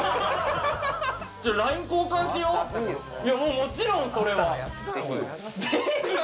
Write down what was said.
もちろん、それは！